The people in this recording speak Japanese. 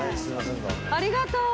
ありがとう！